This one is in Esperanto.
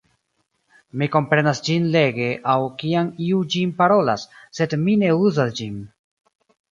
Mi komprenas ĝin lege aŭ kiam iu ĝin parolas, sed mi ne uzas ĝin.